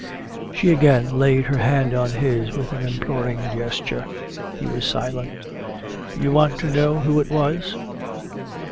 She again laid her hand on his with an imploring gesture. He was silent. 'You want to know who it was?